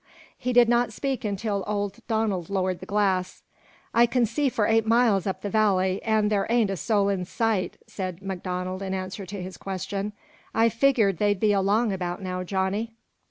He did not speak until old Donald lowered the glass. "I can see for eight miles up the valley, an' there ain't a soul in sight," said MacDonald in answer to his question. "I figgered they'd be along about now, Johnny."